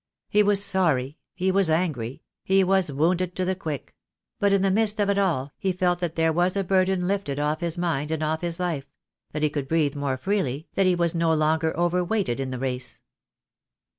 He was sorry, he was angry, he was wounded to the quick; but in the midst of it all he felt that there was a burden lifted off his mind and off his life — that he could breathe more freely, that he was no longer overweighted in the race.